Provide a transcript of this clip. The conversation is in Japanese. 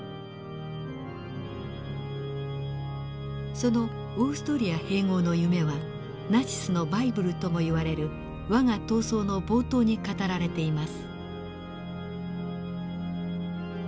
そのオーストリア併合の夢はナチスのバイブルともいわれる「わが闘争」の冒頭に語られています。